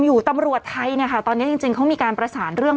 อยู่ตำรวจไทยเนี่ยค่ะตอนนี้จริงเขามีการประสานเรื่อง